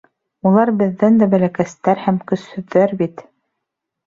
Улар беҙҙән дә бәләкәстәр һәм көсһөҙҙәр бит!